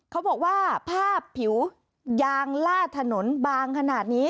เขาบอกว่าภาพผิวยางล่าถนนบางขนาดนี้